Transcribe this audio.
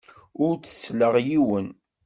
Ur ttettleɣ yiwen.